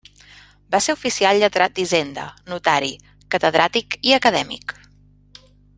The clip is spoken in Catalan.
Va ser oficial lletrat d'Hisenda, notari, catedràtic i acadèmic.